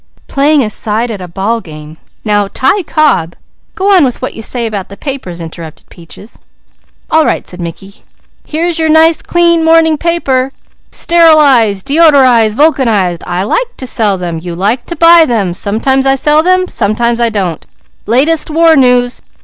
"Playin' a side at a ball game. Now Ty Cobb " "Go on with what you say about the papers," interrupted Peaches. "All right!" said Mickey. "'Here's your nice, clean morning paper! Sterilized! Deodorized! Vulcanized! I like to sell them. You like to buy them! Sometimes I sell them! Sometimes I don't! Latest war news!